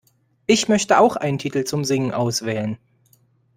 Ich möchte auch einen Titel zum Singen auswählen.